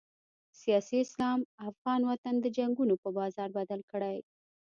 سیاسي اسلام افغان وطن د جنګونو په بازار بدل کړی.